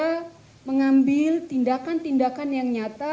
sehingga tidak hanya mengambil tindakan tindakan yang nyata